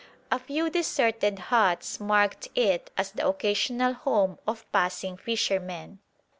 A few deserted huts marked it as the occasional home of passing fishermen.